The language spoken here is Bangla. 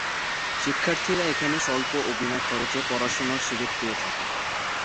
শিক্ষার্থীরা এখানে স্বল্প ও বিনা খরচে পড়াশোনার সুযোগ পেয়ে থাকে।